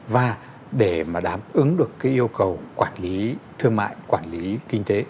và để mà đáp ứng được cái yêu cầu quản lý thương mại quản lý kinh tế